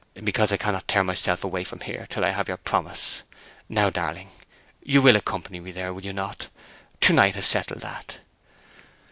"Because I cannot tear myself away from here till I have your promise. Now, darling, you will accompany me there—will you not? To night has settled that."